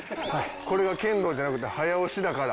これは剣道じゃなくて早押しだから。